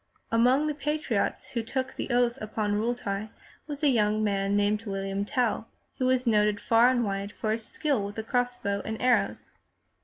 Among the patriots who took the oath upon Riitli was a young man named William Tell, who was noted far and wide for his skill with the cross bow and arrows.